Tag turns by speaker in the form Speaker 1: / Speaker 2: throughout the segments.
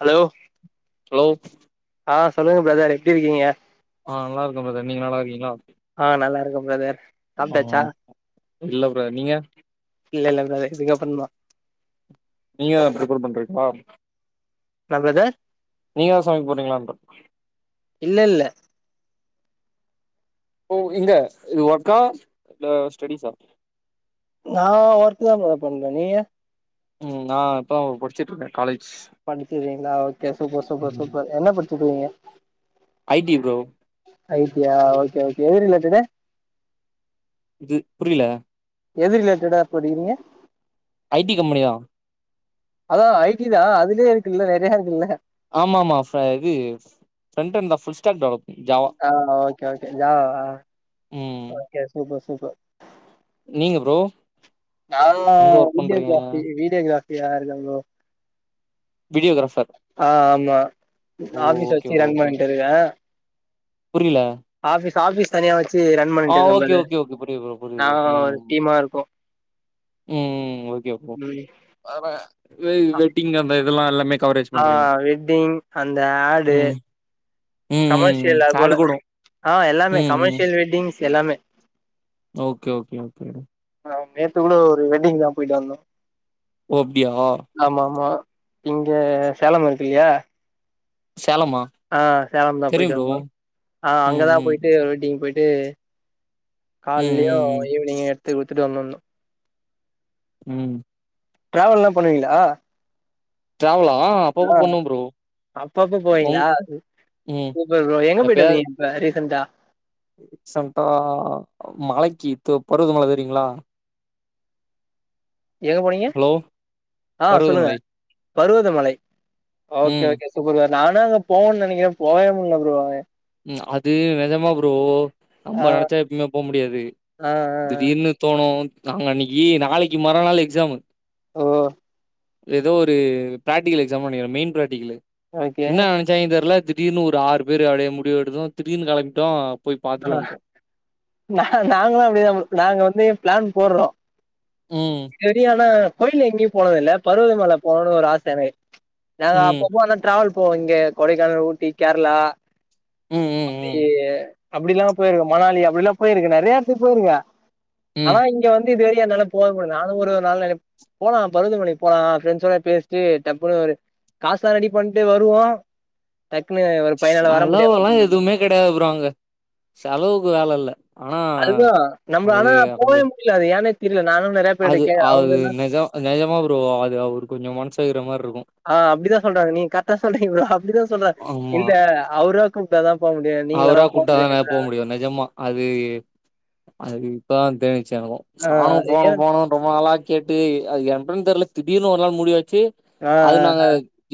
Speaker 1: Hello
Speaker 2: hello
Speaker 1: ஆ சொல்லுங்க brother எப்டி இருக்கீங்க
Speaker 2: ஆ நல்ல இருக்கே பிரதர் நீங்க நல்லா இருக்கீங்களா
Speaker 1: ஆ நல்லாருக்
Speaker 2: ம் இல்ல ப்ரோ நீங்க
Speaker 1: இல்ல இல்ல ப்ரதர் இதுக்கப்றம் தா
Speaker 2: நீங்க தா ப்ரிப்பேர் பண்றீங்ளா
Speaker 1: என்னா ப்ரதர்
Speaker 2: நீங்கதா சமைக்க போறீங்களான்றே
Speaker 1: இல்ல இல்ல
Speaker 2: ஒ இங்க இது ஒக்கா இல்ல ஸ்டடிஸா
Speaker 1: நா ஒர்க்கு தா ப்ரோ பண்றே நீங்க
Speaker 2: ம் நா இப்பதா படிச்சிட்டு இருக்கே காலேஜ்
Speaker 1: படிச்சிட்ருக்கீங்களா ஓகே சூப்பர் சூப்பர்
Speaker 2: ம்
Speaker 1: சூப்பர் என்ன படிச்சிட்ருக்கீங்க
Speaker 2: ஐ டி ப்ரோ
Speaker 1: ஐ டியா ஓகே ஓகே எது ரிலேட்டடு
Speaker 2: இ புரியல
Speaker 1: எது ரிலேட்டடா படிக்கிறீங்க
Speaker 2: ஐ டி கம்பெனி தா
Speaker 1: அதா ஐ டி தா அதுலே இருக்குல்ல நறயா இருக்குல்ல
Speaker 2: ஆமா ஆமா இது ஃப்பெண்டன்ல புள் ஸ்டாக் டெவலப் ஜாவா
Speaker 1: ஆ ஓகே ஓகே ஜாவா வா
Speaker 2: ம்
Speaker 1: ஓகே சூப்பர் சூப்பர்
Speaker 2: நீங்க ப்ரோ
Speaker 1: நானு
Speaker 2: எங்க ஒர்க் பண்றீங்க
Speaker 1: வீட்யோகிராபி வீட்யோகிராபியா இருக்கே ப்ரோ
Speaker 2: வீடியோகிராபர்
Speaker 1: ஆ ஆமா நா ஆபீஸ்
Speaker 2: ஓகே
Speaker 1: வச்சு ரன் பண்ட்ருக்கே
Speaker 2: புரில
Speaker 1: ஆஃபிஸ் ஆஃபீஸ் தனியா வச்சு ரன் பண்ணிட்டு இருக்கே
Speaker 2: ஓகே
Speaker 1: ப்ரதர்
Speaker 2: ஓகே ஓகே புரியுது ப்ரோ
Speaker 1: நா
Speaker 2: புரியுது ப்ரோ
Speaker 1: ஒரு
Speaker 2: ம்
Speaker 1: டீமா இருக்கோ
Speaker 2: ம் ஓகே ஓக்
Speaker 1: ம்
Speaker 2: வெட்டிங் அந்த இதெல்லா எல்லாமே கவரேஜ்
Speaker 1: ஆ
Speaker 2: பண்றீங்க
Speaker 1: வெட்டிங் அந்த ஆட்டு
Speaker 2: ம் ம் ம் ம்
Speaker 1: கமேர்ஷியல் அ
Speaker 2: ஆடு
Speaker 1: போல
Speaker 2: கூடோ
Speaker 1: ஆ எல்லாமே
Speaker 2: ம் ம்
Speaker 1: கமேர்ஷியல் வெட்டிங்க்ஸ் எல்லாமே
Speaker 2: ஓகே ஓகே ஓகே
Speaker 1: நேத்து கூட ஒரு வெட்டிங் தா போய்டு வந்தோ
Speaker 2: ஓ அப்டியா
Speaker 1: ஆமா ஆமா இங்க சேலம் இருக்கு இல்லியா
Speaker 2: சேலமா
Speaker 1: ஆ சேலம் தா
Speaker 2: தெரியு
Speaker 1: போய்ட்டு
Speaker 2: ப்ரோ
Speaker 1: வந்தோ ஆ
Speaker 2: ம்
Speaker 1: அங்கதா
Speaker 2: ம்
Speaker 1: போய்ட்டு வெட்டிங் போய்ட்டு
Speaker 2: ம்
Speaker 1: கால்லெயு
Speaker 2: ம் ம்
Speaker 1: ஈவினிங்கு எத்து குடுத்துட்டு வந்தட்னு
Speaker 2: ம்
Speaker 1: ட்ராவல்லா பண்ணுவீங்ளா
Speaker 2: டிராவலா அப்பப்ப
Speaker 1: ஆ
Speaker 2: பண்ணுவோ ப்ரோ
Speaker 1: அப்பப்ப
Speaker 2: உங்
Speaker 1: போவீங்ளா
Speaker 2: ம்
Speaker 1: சூப்பர் ப்ரோ எங்க போய்டு வந்தீங்க இப்ப ரீசன்ட்டா
Speaker 2: ரீசன்ட்டா மலக்கி தொ பருவதமல தெரியுங்ளா
Speaker 1: எங்க போனீங்க
Speaker 2: ஹலோ
Speaker 1: ஆ சொல்லுங்க
Speaker 2: பருவதமலை
Speaker 1: பருவதமலை ஓகே
Speaker 2: ம்
Speaker 1: ஓகே சூப்பர்ங்க நானு அங்க போன்னு நனக்கிற போவே முடில ப்ரோ
Speaker 2: ம் அது நெஜமா ப்ரோ
Speaker 1: ஆ
Speaker 2: நம்ம நெனச்சா எப்புய்மே போ முடியாது
Speaker 1: ஆ ஆ
Speaker 2: தி டீர்ன்னு தோணு நாங்க அன்னெக்கி நாளெக்கி மறா நாள் எக்ஸாம்மு
Speaker 1: ஓ
Speaker 2: எதோ ஒரு ப்ராக்டிகல் எக்ஸாம் நெனக்கிற மெய்ன் ப்ராக்டிகல்லு
Speaker 1: ஓகே
Speaker 2: என்ன ஜெய்னு தெர்ல திடீர்னு ஒரு ஆறு பேரு அப்டியே முடிவெடுக்கு திடீர்னு கெளம்பிட்டோ போய்
Speaker 1: ஆ
Speaker 2: பாத்துட்டு வந்ட்டோ
Speaker 1: நா நாங்களு அப்டிதா ப்ரொ நாங்க வந்து ப்ளான் போட்றோ
Speaker 2: ம்
Speaker 1: செரியான கோயில்னு எங்கியு போனதில்ல பருவதமல போகனுன்னு ஒரு ஆச என நாங்க
Speaker 2: ம்
Speaker 1: அப்பப்போ ஆனா ட்ராவல் போவோ இங்க கொடைக்கானல் ஊட்டி கேர்ளா
Speaker 2: ம் ம்
Speaker 1: அப்டி
Speaker 2: ம்
Speaker 1: அப்டில்லா போய் இருக்குறோ மணாலி அப்டிலா போய்ருக்குற நறியா எடத்துக்கு போய் இருக்கே
Speaker 2: ம்
Speaker 1: ஆனா இங் இங்கெ வந்து இது வரக்கு என்னால போ முட்ல நானு ஒரு நாள் ந போலா பருவதமலைக் போலா ஃப்ரெண்ட்ஸ்ஸோட பேச்ட்டு டப்புன்னு ஒரு காசு எல்லா ரெடி பண்ட்டு வருவோ டக்குன்னு ஒரு பையனால வர முடியாம
Speaker 2: கெடயாது ப்ரோ அங்க செலவுக்கு வேல இல்ல ஆனா
Speaker 1: அதுதா நம்மள
Speaker 2: அது
Speaker 1: ஆனா
Speaker 2: அங்க
Speaker 1: போவே முடியாது ஏன்னே தெர்ல நானு நறையா
Speaker 2: அது அது நெஜொ நெஜமா ப்ரோ அது அவரு கொஞ்சொம் மனசு வெக்கெற மாரி இருக்கு
Speaker 1: ஆ அப்டிதா சொல்றாங்க நீங் கரட்டா சொல்றீங்க ப்ரோ அப்டிதா சொல்றா
Speaker 2: ஆமா
Speaker 1: இல்ல அவுரு கூப்டாதா போ முடியு நீங்களா
Speaker 2: அவரா
Speaker 1: எல்லா போ முடியாது
Speaker 2: கூப்ட்டாதான போ முடியு நெஜமா அது அது இப்பதா தென்னுச்சு எனக்கு
Speaker 1: ஆ
Speaker 2: நானு போனு
Speaker 1: ஏ
Speaker 2: போனு ரொம்ப நாளா கேட்டு அது எப்பன் தெர்ல திடீர்னு ஒரு நாள் முடிவாய்ச்சு
Speaker 1: ஆ ஆ.
Speaker 2: அது நாங்க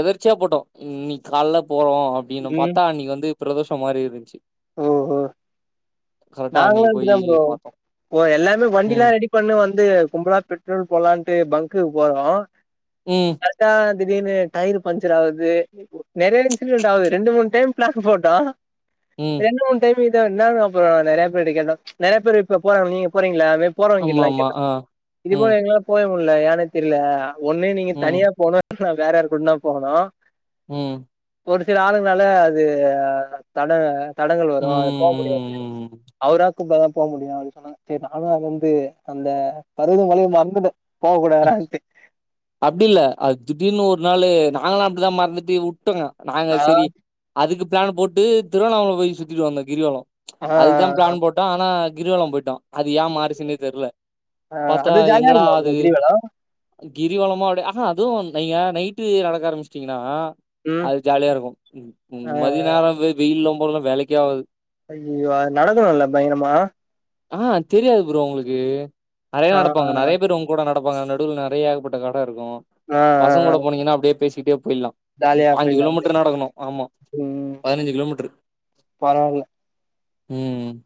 Speaker 2: எதர்ச்சியா போட்டோ ம் இன்னிக் கால்ல போறோ அப்டின்னு
Speaker 1: ம்
Speaker 2: பாத்தா அன்னிக்கி வந்து பிரதோஷம் மாரி இருந்திச்சு
Speaker 1: ஓஹோ
Speaker 2: கரெக்டா
Speaker 1: நாங்களு
Speaker 2: அன்னைக்கு போய்
Speaker 1: அப்டிதா ப்ரோ
Speaker 2: பாத்தோம்
Speaker 1: போ எல்லார்மே வண்டில்லா
Speaker 2: ம்
Speaker 1: ரெடி பொண்ணு வந்து கும்பலா பெட்ரோல் போட்லான்ட்டு பங்க்குகு போறோ
Speaker 2: ம்
Speaker 1: பாத்தா திடீர்னு டயிரு பஞ்சர் ஆகுது நெறையா இன்சிடெட் ஆகுது ரெண்டு மூனு டைம் ப்ளேக்கு போட்டா
Speaker 2: ம்
Speaker 1: ரெண்டு மூனு டைம் இதான்ந்தாலு அப்பறோ நறையா பேர்ட்ட கேட்டா நறையா பேரு இ போறா நீங்க போறீங்கில்ல மே
Speaker 2: ஆமா
Speaker 1: போறோவங்ககிட்ல்லா
Speaker 2: ஆமா ஆ
Speaker 1: கேட்ருக்கோ இது
Speaker 2: ம்
Speaker 1: போல எங்ல போவே முல்ல ஏனே தெர்ல ஒன்னு நீங்க
Speaker 2: ம்
Speaker 1: தனியா போனு நா வேற யாரு கூட்ன்னா போகனு
Speaker 2: ம்
Speaker 1: ஒரு சில ஆளுங்னால அது தட தடங்கள் வரு அது போ முடியாது
Speaker 2: ம்
Speaker 1: அவரா கூப்டா தா போ முடியு அப்டின் சொன்னாங்க சரி நானு அது வந்து அந்த பருவத மலைய மறந்துட்ட போக கூடாதுடான்டு
Speaker 2: அப்டி இல்ல அது திடிர்னு ஒரு நாளு நாங்களா அப்டிதா மறந்துட்டு வுட்டோங்க நாங்க
Speaker 1: ஆ
Speaker 2: சரி அதுக்கு பிளான் போட்டு திருவண்ணாமலை போய் சுத்திட்டு வந்தோ கிரிவலோ
Speaker 1: ஆ
Speaker 2: அதுக்குதா பிளான் போட்டோ ஆனா கிரிவல போயிட்டோ அது ஏ மாறிச்சுன்னே தெரில
Speaker 1: ஆ
Speaker 2: பாத்தா
Speaker 1: அது ஜாலியா
Speaker 2: எங்கடா
Speaker 1: இருக்குமா
Speaker 2: அது
Speaker 1: ப்ரோ கிரிவலோ
Speaker 2: கிரிவலமா அப்டியா ஆஹா அதுவு நீங்க நைட்டு நடக்க ஆரம்பிச்சிட்டீங்கன்னா
Speaker 1: ம்
Speaker 2: அது ஜாலியா இருக்கு
Speaker 1: ஆ
Speaker 2: மதிய நேரோ வெயில்லா போறன்னா வேலைக்கே ஆவாது
Speaker 1: ஐயயோ அது நடக்கணுல்ல பயங்கரமா
Speaker 2: ஆ தெரியாது புரோ உங்களுக்கு நெறைய
Speaker 1: ஆ ஆ
Speaker 2: நடப்பாங்க நெறைய பேர் உங்க கூட நட நடப்பாங்க நடுவுல நெறைய ஏகப்பட்ட கடை இருக்கு
Speaker 1: ஆ ஆ
Speaker 2: பசங்க
Speaker 1: ஆ.
Speaker 2: கூட போனீங்கன்னா அப்டியே பேசிட்டே போயிலா
Speaker 1: ஜாலியா
Speaker 2: பாஞ்சி
Speaker 1: போயிட்லா
Speaker 2: கிலோமீட்டரு நடக்கணு ஆமா
Speaker 1: ம்
Speaker 2: பதினஞ்சு கிலோமீட்டரு
Speaker 1: பரவால்ல
Speaker 2: ம்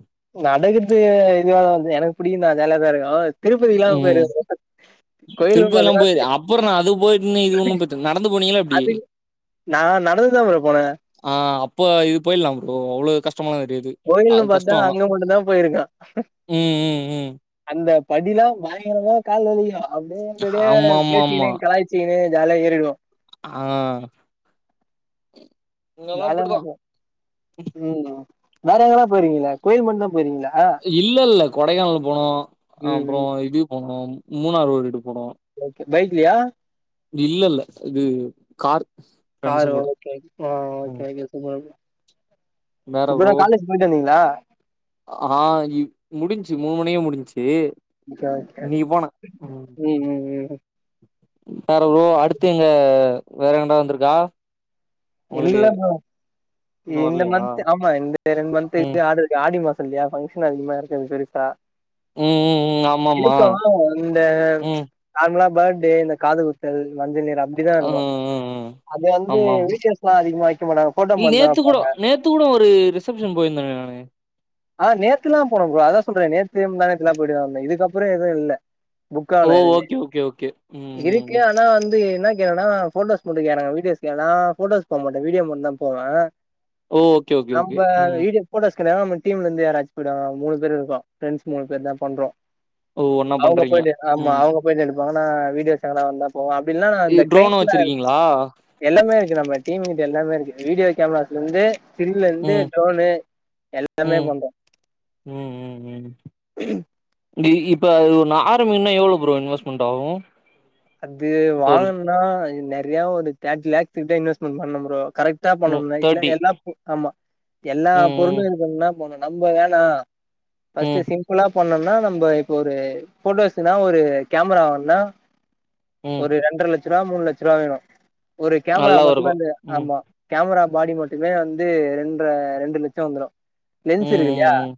Speaker 1: நடக்கறது இதுவால வந்து எனக்கு புடிக்கு தா ஜாலியா தா இருக்கு திருப்பதி எல்லா போயிரு
Speaker 2: திருப்ப எல்லா போயி அப்புறன்னா அது போயிட்ன்னு இது ஒண்ணு போயிட்டு நடந்து போனீங்களா எப்டி
Speaker 1: அது நா நடந்துதா ப்ரோ போன
Speaker 2: ஆ அப்போ இது போயிலா ப்ரோ அவ்ளோ கஷ் கஷ்டமா இருக்குது
Speaker 1: கோயில்ன்னு
Speaker 2: அது
Speaker 1: பாத்தா
Speaker 2: கஷ்டோ ஆனா
Speaker 1: அங்க மட்டுந்தா போயிருக்கே
Speaker 2: ம் ம் ம்
Speaker 1: அந்த படிலா பயங்கரமா கால் வலிக்கு அப்டியே என்ட
Speaker 2: ஆமா
Speaker 1: அப்டி
Speaker 2: ஆமா ஆமா
Speaker 1: பேசினே கலாயி ச்சீனு ஜாலியா ஏரிடுவோ
Speaker 2: ஆ இங்கெல்லா அப்டிதா
Speaker 1: ஜாலல்ல போ ம் வேற எங்கல்லா போயிறீக்கிங்களா கோயில் மட்டு தா போயிறீங்க்கிங்களா
Speaker 2: இல்ல இல்ல கொடைக்கானல் போனோ
Speaker 1: ம்
Speaker 2: அப்புற
Speaker 1: ம்
Speaker 2: இது போனோம் மூணார் ஒரிட்டு போனோ
Speaker 1: ஓகே பைக்லயா
Speaker 2: இல்ல இல்ல இது கார் ஃப்ரெண்ட்ஸு
Speaker 1: காரு
Speaker 2: கூட
Speaker 1: ஓகே ஓகே ஆ
Speaker 2: ம்
Speaker 1: ஓகே சூப்பர் ப்ரோ
Speaker 2: வேற ப்ரோ
Speaker 1: இப்பதா காலேஜ் போயிட்டு வந்தீங்களா
Speaker 2: ஆ இப் முடிஞ்சு மூணு மணிக்கே முடிஞ்சு
Speaker 1: ஓகே ஓகே
Speaker 2: நீ போனா ம்
Speaker 1: ம் ம்
Speaker 2: வேற ப்ரோ அடுத்து எங்க வேற எங்டா வந்ருக்கா
Speaker 1: இல்ல ப்ரோ
Speaker 2: இன்னு
Speaker 1: இந்த
Speaker 2: வரலையா
Speaker 1: மந்த் ஆமா இந்த ரெண்டு
Speaker 2: ம்
Speaker 1: மந்த்துக்கு ஆட்ரு இருக் ஆடி மாசோ இல்லயா ஃபங்க்ஷன் அதிகமா இருக்காது பெருசா
Speaker 2: ம் ம் ம் ஆமாமா
Speaker 1: இருக்கோ இந்த
Speaker 2: ம்
Speaker 1: நார்மலா பர்த்டே இந்த காது குத்தல் மஞ்சள் நீர் அப்டிதா
Speaker 2: ம்
Speaker 1: இருக்கு
Speaker 2: ம் ம்
Speaker 1: அது வந்து
Speaker 2: ஆமா ஆமா
Speaker 1: வீட்ட ட அதிகமா வைக்க மாட்டாங்க போட்டோ
Speaker 2: இல்ல
Speaker 1: மட் தா
Speaker 2: நேத்து கூட
Speaker 1: வப்பாங்க
Speaker 2: நேத்து கூட ஒரு ரிசப்ஷன் போயிருந்தனே நானு
Speaker 1: ஆ நேத்துல்லா போனு ப்ரோ அதா சொல்ற நேத்து முந்தா நேத்துல போயிட்டு தா வந்தே இதுக்கப்புற எதுவு இல்ல புக்
Speaker 2: ஓ
Speaker 1: ஆகல எதுமே
Speaker 2: ஓகே ஓகே ஓகே ம் ம்
Speaker 1: இருக்கு
Speaker 2: ம்
Speaker 1: ஆனா வந்து என்ன கேணனா ஃபோட்டோஸ் மட்டு கேக்குறாங்க வீடியோஸ்கெலா ஃபோட்டோஸ் போமாட்ட விடியோ மட்டு தா போவ
Speaker 2: ஓ ஓகே ஓகே
Speaker 1: நம்ப
Speaker 2: ஓகே ம்
Speaker 1: வீடிய ஃபோட்டோஸ்கடையா டீம்ல இருந்து யாராச்சு போயிடுவாங்க மூணு பேர் இருக்கோ ஃபிரெண்ஸ் மூணு பேர் தா பண்றோ
Speaker 2: ஓ ஒன்னா
Speaker 1: அவங்க
Speaker 2: பண்றீங்க
Speaker 1: போயிட்டு ஆமா
Speaker 2: ம்
Speaker 1: அவங்க போயிட்டு எடுப்பாங்கனா நா வீடியோஸ் எதுனா வந்தா போவோ அப்டி இல்லனா நா இந்த
Speaker 2: ட்ரோனு
Speaker 1: கிளைண்ட்ல
Speaker 2: வச்சிருக்கீங்களா
Speaker 1: எல்லாமே இருக்குது நம்ம டீம்ங்கிட்ட எல்லாமே இருக்குது வீடியோ கேமராஸ்ல இருந்து ஸ்க்ரீன்லே இருந்து
Speaker 2: ம்
Speaker 1: ட்ரோனு எல்லாமே
Speaker 2: ம்
Speaker 1: பண்றோம்
Speaker 2: ம் ம் ம் இது இப்ப ஒன்னு ஆரபிக்கன்னா எவ்ளோ ப்ரோ இன்வெஸ்ட்மெண்ட் ஆகும்
Speaker 1: அது வாங்கன்னா நெற்யா ஒரு தேட்டி லேக் கிட்ட இன்வெஸ்ட்மென்ட் பண்ணோ ப்ரோ கரெக்ட் கரெக்டா
Speaker 2: ம்
Speaker 1: பண்ணுன்னா இல்ல
Speaker 2: தேர்ட்டி
Speaker 1: எல்லாப் பொருளும் ஆமா எல்லா
Speaker 2: ம் ம்
Speaker 1: பொருளும் இருக்கணும்னா மொதல்ல நம்ப வேணா பஸ்ட்
Speaker 2: ம்
Speaker 1: சிம் இப்புனா பண்ணுன்னா நம்ப இப்ப ஒரு போட்டோஸ்னா ஒரு கேமரா வாங்கன்னா
Speaker 2: ம்
Speaker 1: ஒரு ரெண்டர லட்ச ரூபா மூணு லட்சம் ரூபா வேணூ ஒரு கேமரா
Speaker 2: நல்லா
Speaker 1: மட்டுமே
Speaker 2: இருக்கு
Speaker 1: வந்து
Speaker 2: ம்
Speaker 1: ஆமா கேமரா பாடி மட்டுமே வந்து ரெண்றா ரெண்டு லட்சோ வந்துரூ
Speaker 2: ம்
Speaker 1: லென்ஸ் இருக்கு
Speaker 2: ம்
Speaker 1: இல்லயா
Speaker 2: ம்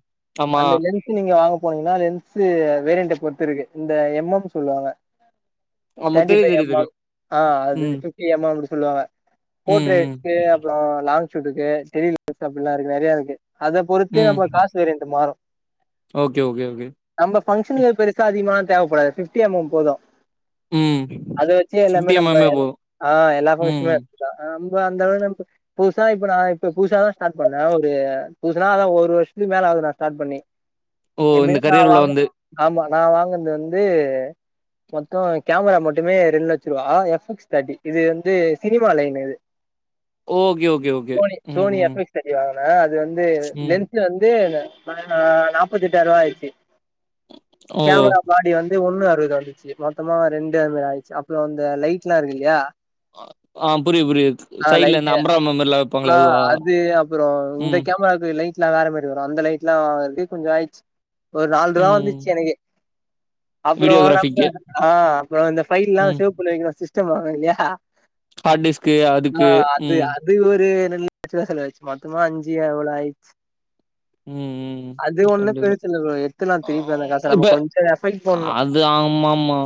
Speaker 2: ஆமா
Speaker 1: அந்த லென் ஸ் நீங்க வாங்க போனீங்ன்னா லென்ஸு வேரியன்ட பொறுத்து இருக்கு இந்த எம் எம் சொல்லுவாங்க
Speaker 2: நமக்கு
Speaker 1: த்தேர்ட்டி ஃபை
Speaker 2: தெரியு தெரியு
Speaker 1: எம்
Speaker 2: தெரியு
Speaker 1: எம் ஆ அது
Speaker 2: ம்
Speaker 1: ஃப் டி எம் எம் அப்டி சொல்லுவாங்க
Speaker 2: ம் ம்
Speaker 1: போர்ட்ரேடு அப்றோ லாங் ஷீட்டுக்கு ஸ்கிரீன் அப்ட்லா இருக்கு நெறய இருக்கு அத பொறுத்து
Speaker 2: ம்
Speaker 1: நம்ம காசு வேரியன்ட் மாரூ
Speaker 2: ஓகே ஓகே ஓகே
Speaker 1: நம்ம ஃபங்க்ஷனுக்கு அது பெருசா அதிகமா தேவப்படாது ஃபிப்டி எம் எம் போதூ
Speaker 2: ம்
Speaker 1: அது வச்சி எல்லாமே
Speaker 2: ஃபிஃப்டி எம்
Speaker 1: நம்ப
Speaker 2: எம்மே போது
Speaker 1: ஆ எல்லா பங்ஷனுமே
Speaker 2: ம்
Speaker 1: அ நம்ப அந்த அளவுக் நம்ப புதுசா இப்ப நா இப்ப புதுசா தா ஸ்டார்ட் பண்ணே ஒரு புதுசுனா அதா ஒரு வருஷத்துக் மேல ஆவுது நா ஸ்டார்ட் பண்ணி
Speaker 2: ஓ
Speaker 1: எப்டி
Speaker 2: இந்த
Speaker 1: நா
Speaker 2: கரியர் உள்ள
Speaker 1: வாங்க
Speaker 2: வந்து
Speaker 1: ஆமா நா வாங்ன்து வந்து மொத்தோ கேமரா மட்டுமே ரெண்டு லட்ச ரூபா எஃப் எக்ஸ் தேர்ட்டி இது வந்து சினிமா லைன் இது
Speaker 2: ஓகே ஓகே ஓகே ம் ம்
Speaker 1: சரி வாங்னே அது வந்து
Speaker 2: ம்
Speaker 1: லென்ஸ்ல வந்து அ நாப்பத்தெட்டாயி ரூபா ஆயிச்சு
Speaker 2: ஓ
Speaker 1: கேமரா முன்னாடி வந்து ஒண்ணு அறுவது வந்துச்சு மொத்தமா ரெண்டு அந்தமாரி ஆயிச்சு அப்றோ அந்த லைட்லா இருக்கு இல்லியா
Speaker 2: ஆ புரி புரியுது சைட்ல இந்த
Speaker 1: லைட்டு
Speaker 2: அம்பர்லா மேர்ல்லா வெப்பாங்ளா அதுவா
Speaker 1: அப்றோ இந்த
Speaker 2: ம்
Speaker 1: கேமராக்கு லைட் இல்லா வேற மாரி வரூ அந்த லைட்லா வந்து கொஞ்சோ ஆயிச்சு ஒரு நால் ரூபா
Speaker 2: ம்
Speaker 1: வந்துச்சு எனக்கு அப்றோ நம்ம
Speaker 2: வீடியோகிராஃபிக்கு
Speaker 1: ஆ அப்றோ இந்த ஃபைல்லா
Speaker 2: ம்
Speaker 1: சேவ் பண்ணிவீங்ளா சிஸ்டம் வேணு இல்லியா
Speaker 2: ஹார்ட் டிஸ்க்கு அதுக்கு ம்
Speaker 1: அது ஒரு ரெண்டு லட்ச ரூபா செலவச்சு மொத்தமா அஞ்சு அவ்ளோ ஆயிச்சு
Speaker 2: ம் ம்
Speaker 1: அது ஒண்ணு
Speaker 2: கண்டிப்பா
Speaker 1: பெருசில்ல ப்ரோ எட்த்துர்லா
Speaker 2: ஆ
Speaker 1: திருப்பி அந்த காச நம்ம கொஞ்சோ எஃப்போர்ட் போட்னோ
Speaker 2: து ஆமாமா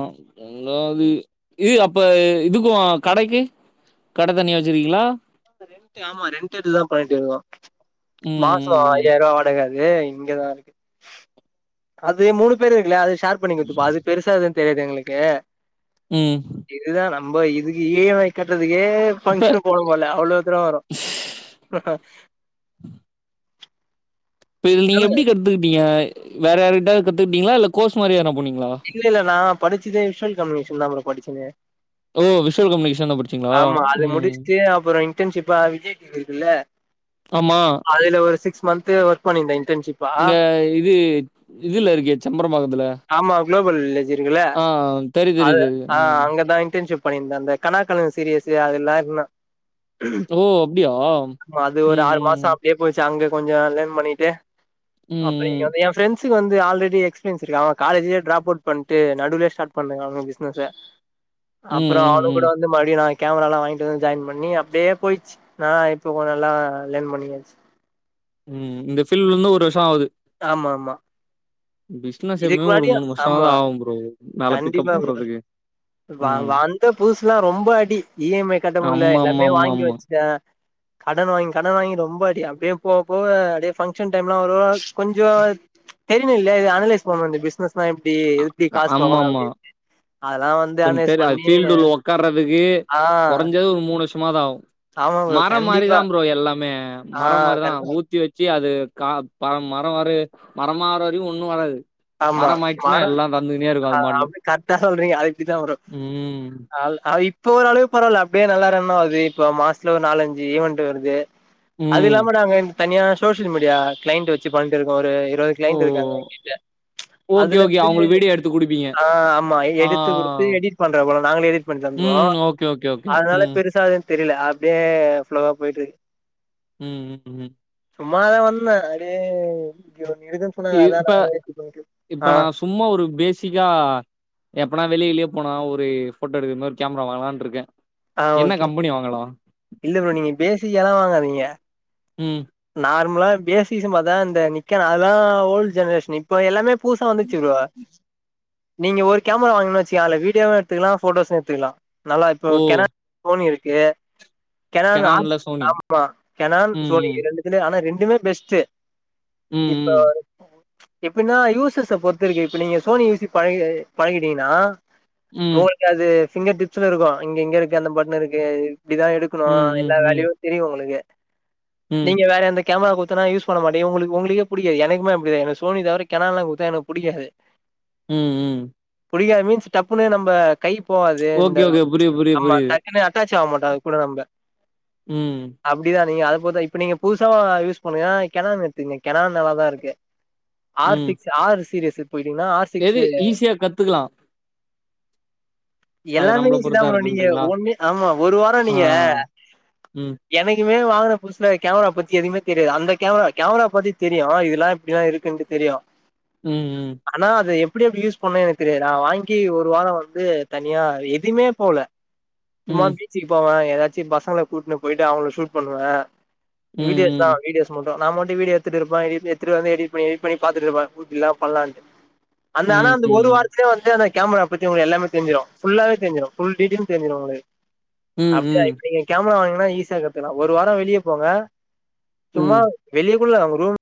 Speaker 2: அதாவது இது அப்ப இதுக்கூ கடைக்கி கடத தனியா வச்சிறுக்கீங்ளா
Speaker 1: ரெண்ட் ஆமா ரெண்ட் இதுதான் தா பண்ட்டு இருக்கோ மாச ஆய்
Speaker 2: ம்
Speaker 1: ஐயாயுரூவா வாடக அது இங்கதா இர்கு அது மூணு பேரு இர்குல்ல அது ஷேர் இப்ப நீங்க துப்ப அது பெருசா எதுவ்வூ தேவையில்ல எங்ளுக்கெ
Speaker 2: ம்
Speaker 1: இதுதா நம்ம இதுக்கு இ எம் ஐ கட்றதுக்கே
Speaker 2: இப்ப
Speaker 1: பங்க்ஷன் போணோ அத்ல அவ்ளோ தூரோ வரூ [unintelligible]
Speaker 2: இப்ப இது நீங்க எப்டி
Speaker 1: சொல்லுங்க
Speaker 2: கத்துக்ட்டீங்க வேற யாரகிட்டாது கத்துகிட்டீங்ளா இல்ல கோர்ஸ் மாரி எதுனா போனீங்ளா
Speaker 1: இல்ல இல்ல நா படிச்சதே விஷுவல் கம்யூனேஷன் தா ப்ரோ படிச்சதே
Speaker 2: ஓ விஷுல் கம்யூனிகேஷன் தா படி
Speaker 1: ஆமா அது முடிச்ட்டு அப்பறோ இன்டர்ன்ஷிப்பா விஜய் டீ வி இருக்குல்ல
Speaker 2: ஆமா
Speaker 1: அது ல ஒரு சிக்ஸ் மந்த்து ஒர்க் பண்ணிருந்தே இன்டர்ன்ஷிப்
Speaker 2: இங்க இது இதுல இருக்கே செம்பரபாகத்துல
Speaker 1: ஆமா குளோபல் வில்லேஜ் இருக்குல
Speaker 2: தெரியும்
Speaker 1: அது
Speaker 2: தெரியும் தெரியும்.
Speaker 1: ஆ
Speaker 2: ம்.
Speaker 1: அங்கதா இன்டர்ன்ஷிப் பண்ணிருந்த அந்த கனா காணுங்க சீரியஸ்ஸு அதுல்லா இருந்த
Speaker 2: ஓ! அப்டியா?
Speaker 1: ஒ அது
Speaker 2: ம்,
Speaker 1: ஒரு ஆறு மாசோ
Speaker 2: ம்,
Speaker 1: அப்டியே போயிர்ச்சு அங்க கொஞ்சோ லேர்ன் பண்ணீட்டு அப்பறோ இங்க
Speaker 2: ம்,
Speaker 1: வந்து ஏ ஃப்ரெண் ஸ்ஸுகு வந்து ஆல்ரடி எக்ஸ்ப்ரியன்ஸ் இருக்கு அவங்க காலேஜ்லயே ட்ராப் அவுட் பண்ட்டு நடுவுலே ஸ்டாட் பண்ணாங்க அவுங்க பிசினஸ்ஸ
Speaker 2: ம், ம்,
Speaker 1: அப்பறோ
Speaker 2: ம்,
Speaker 1: அவனுங்க கூட
Speaker 2: ம்,
Speaker 1: வந்து மறுடியு நாங் கேமராலா வாங்கிட்டு வந்து ஜாயின் பண்ணி அப்டியே போயிச்சி அ இப்ப [unintelligible] நல்லா லேர்ன் பண்ணியாச்சு
Speaker 2: ம் இந்த ஃபில்டு வந்து ஒரு வருஷோ ஆவுது
Speaker 1: ஆமாம்மா
Speaker 2: பிஸ்னஸ் எப்யுமே ஒரு மூணு வருஷோமாது
Speaker 1: ஆமா
Speaker 2: ஆவு ப்ரோ மேல
Speaker 1: கண்டிப்பா
Speaker 2: பிக்கப்
Speaker 1: ப்ரோ
Speaker 2: வர்றதுக்கு
Speaker 1: வ
Speaker 2: ம்.
Speaker 1: வந்த புதுஸ்ல ரொம்ப அடி இ எம் ஐ கட்ட முல்ல எல்லாமே வாங்கி
Speaker 2: ஆமாமாமாமா.
Speaker 1: வச்டே கடன் வாங்கி கடன் வாங்கி ரொம்ப அடி அப்டியே போபோவ அப்டியே ஃபங்க்ஷன் டைம்லா வரு கொஞ்சோ தெரினுல்ல இது அனலைஸ் பண்ணு இந்த பிஸ்னஸ்னா எப்டி எப்டி காஸ்
Speaker 2: அம்மம்மா கொஞ்
Speaker 1: அனலைஸ்
Speaker 2: தெரிய அது
Speaker 1: பண்ணி
Speaker 2: பீல்டு உள்ள ஒக்காரதுக்கு
Speaker 1: ஆ
Speaker 2: கொறஞ்சது ஒரு மூணு வருஷமாது ஆவு
Speaker 1: ஆமா ப்ரோ
Speaker 2: மரோ
Speaker 1: கண்டிப்பா
Speaker 2: மாரிதா ப்ரோ எல்லாமே
Speaker 1: ஆ
Speaker 2: மரம் மாரிதா
Speaker 1: கரெக்டா
Speaker 2: ஊ த்தி வெச்சு அது கா ப மர வரு மரமாவரையு ஒன்னு வராது
Speaker 1: ஆமா
Speaker 2: மரம் ஆயிடுச்சுன்னா
Speaker 1: மரோ
Speaker 2: எல்லா நடந்துக்குனே இருக்கு
Speaker 1: ஆ
Speaker 2: அது மாட்னு
Speaker 1: அப்டி கரெட்டா சொல்றீங்க அது இப்டிதா வரு
Speaker 2: ம்.
Speaker 1: ஆல் ஆயிப் போறதுனாலயு பரவால்ல அப்டே நல்லா ரன்னாவுது இப்ப மாஸ்த்துல ஒரு நாலஞ்சு ஈவண்ட் வருது அது
Speaker 2: ம்.
Speaker 1: இல்லாம நாங்க இன் தனியா சோசியல் மீடியா கிளைண்ட் வெச்சு பண்ட்டுருகோ ஒரு இருவது
Speaker 2: ஓ!
Speaker 1: கிளைண்ட் இருக்காங்க எங்கிட்ட
Speaker 2: ஓகே,
Speaker 1: அதுல
Speaker 2: ஓகே.
Speaker 1: இந்து
Speaker 2: அவங்களுக்கு வீடியோ எடுத்து குடுப்பீங்க.
Speaker 1: ஆ ஆமா
Speaker 2: ஆ.
Speaker 1: எடுத்து குடுத்து எடிட் பண்ற போல நாங்களே எடிட் பண்ணி தந்ருவோ
Speaker 2: ம். Okay, okay, okay.
Speaker 1: அதனால
Speaker 2: ம்.
Speaker 1: பெருசா அது எனக்தெரில அப்டியே ஃபுல்லாவா போயிட்ருக்கு
Speaker 2: ம் ம் ம்
Speaker 1: சும்மாதா வந்த அடியே இங்க ஒன் இருக்குன் சொன்னாங்க அதா
Speaker 2: இப்ப
Speaker 1: [unintelligible] ஆ
Speaker 2: இப்ப நா சும்மா ஒரு பேசிக்கா எப்பனா வெளியகிளிய போனா ஒரு போட்டோ எடுக்கற மார் கேம்ரா வாங்கலான்ருக்கே
Speaker 1: ஆ ஓகே
Speaker 2: [unintelligible] வாங்கலா
Speaker 1: இல்ல ப்ரோ நீங்க பேசிக்காலா வாங்காதீங்க
Speaker 2: ம்
Speaker 1: நார்மலா பேசிசன் பாத்தா இந்த நிக்கலா அதல்லா ஓல்டு ஜெனரேஷன்னு இப் ப எல்லாமே பூசா வந்துச்சு ப்ரோ நீங்க ஒரு கேமரா வாங்கன வெச்சிய அதல வீடியோவு எத்துக்கலா போட்டோஸ்சு எத்துக்கலா நல்லா இப்போ
Speaker 2: ஓ!
Speaker 1: கேனா சோனி இருக்கு கெனான் ஆர்ஸ் ஆமா கெனான்
Speaker 2: ம்,
Speaker 1: சோனி
Speaker 2: ம்.
Speaker 1: இது ரெண்டுத்துலயூ அனா ரெண்டுமே பெஸ்ட்டு
Speaker 2: ம்,
Speaker 1: இப்ப [inaudible]
Speaker 2: ம்.
Speaker 1: எப்பின்னா யூசஸ்ஸ பொறுத்து இருக்கு இப்ப நீங்க சோனி யு சி பழைய பழகீட்டீங்ன்னா
Speaker 2: ம்.
Speaker 1: ஒங்களுக்கு அது ஃபிங்கர் டிப்ஸ்ல இருக்கு இங்க இங்க இருக்க அந்த பட்டனருக்கு இது இப்டிதா எடுக் கனு
Speaker 2: ம், ம்,
Speaker 1: எல்லா
Speaker 2: ம்.
Speaker 1: வேலயு தெரியு உங்களுக்கு
Speaker 2: ம்.
Speaker 1: நீங்க வேற எந்த கேமரா குத்தன யூஸ் பண்ண மாட்டே இவுங்குளுக் ஒங்குளுக்கே புடிகாது எனகுமே அப்டிதா எனக்கு சோனி தவற கெனான்லா குத்தா எனகு புடிகாது
Speaker 2: ம் ம்
Speaker 1: புடிகாது மீன்ஸ் டப்புனு நம்ப கைப் போவாது இந்த
Speaker 2: ஓகே, ஓகே. புரியுது, புரியுது,
Speaker 1: அம்மா
Speaker 2: புரியுது.
Speaker 1: டக்குனு அந் ட்டாச் ஆவ்மாட்டு அது கூட நம்ப
Speaker 2: ம்
Speaker 1: அப்டிதா நீங்க அதப்போதா இப்ப நீங்க புதுசாவா யூஸ் பண்றீங்கா கெனான் எத்துங்க கெனான் நல்லாதாருக்கு ஆர்
Speaker 2: ம்.
Speaker 1: சிக்ஸ் ஆர் சீரியஸுக் போயிட்டீங்னா ஆர்ஸ்
Speaker 2: எது ஈஸியா கத்துகுலா அது
Speaker 1: எல்லாமே
Speaker 2: நம்மள பொறுத்தா
Speaker 1: ஈசிதாம் ப்ரோ நீங்க
Speaker 2: இருக்குன்றீங்களா
Speaker 1: ஒன்னு ஆமா ஒரு வாரோ
Speaker 2: ஆ
Speaker 1: நீங்க
Speaker 2: ம்
Speaker 1: எனக்குமே வாங்கன புச் ச்ல கேமரா பத்தி எதிமே தெரியாது அந்த கேமரா கேமரா பத்தித் தெரியு இதுலா இப்டிலா இருக்குன்டு தெரியு
Speaker 2: ம் ம்
Speaker 1: ஆனா அது எப்டி எப்டி யூஸ் பண்ணோ எனக் தெரியாது நா வாங்கி ஒரு வாரோ வந்து தனியா எதிமே போல
Speaker 2: ம்
Speaker 1: சும்மா
Speaker 2: ம்
Speaker 1: பீச்சிகி போவே எதாச்சி பசங்கள கூட்னு போயிட்டு அவுங்கள ஷூட் பண்ணுவே வீடியோ எட்த்தா
Speaker 2: ம் ம்
Speaker 1: வீடியோஸ் மட்டு நா மட்டு வீடியோ எட்த்துட்டுருப்பே எடிட் எட்த்துட்டு வந்து எடிட் பண்ணி எடிட் பண்ணி பாத்துட்டுருப்பே பில்லாப் பன்லான்ட்டு அந்த ஆனா
Speaker 2: ம்
Speaker 1: அந்த
Speaker 2: ம்
Speaker 1: ஒரு வாரத்திலே வந்து அந்தக் கேமரா பத்தி உங்ள எல்லாமே தெஞ்சிரு ஃபுல்லாவே தெஞ்சிரு ஃபுல் டீட்டிலு தெரிஞ்சிரு உங்ளுகு
Speaker 2: ம்
Speaker 1: அப்டிதா
Speaker 2: ம்
Speaker 1: இப்ப நீங்க கேமரா வாங்னா ஈஸியா கத்துலா ஒரு வாரோ வெளியப் போங்க
Speaker 2: ம்
Speaker 1: சும்மா
Speaker 2: ம்
Speaker 1: வெளிய கூல்ல ஒங்க ரூம்